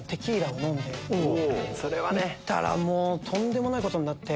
そしたらとんでもないことになって。